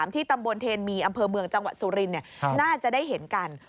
ที่ตำบลเทนมีอำเภอเมืองจังหวัดสุรินทร์น่าจะได้เห็นกัน